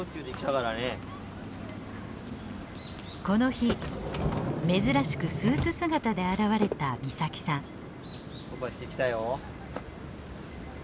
この日珍しくスーツ姿で現れた岬さん。